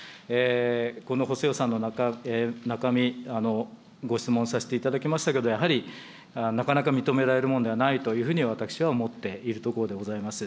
この補正予算の中身、ご質問させていただきましたけれども、やはりなかなか認められるものではないというふうに私は思っているところでございます。